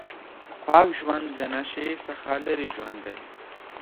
پاک ژوند د نشې څخه لرې ژوند دی.